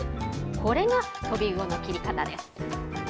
これがとびうおの切り方です。